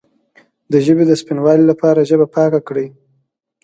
د ژبې د سپینوالي لپاره ژبه پاکه کړئ